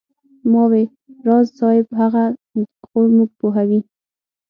ما وې راز صاحب هغه خو موږ پوهوي.